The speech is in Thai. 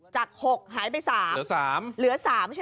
จาก๖หายไป๓เหลือ๓